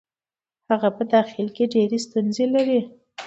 هغه په داخل کې ډېرې ستونزې لري.